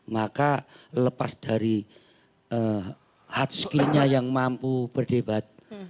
maka lepas dari hard skillnya yang mampu berdebat